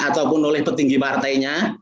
maupun oleh petinggi partainya